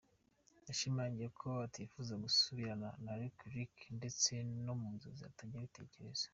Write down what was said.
Yashimangiye ko atifuza gusubirana na Lick Lick ndetse no mu nzozi atajya abitekereza.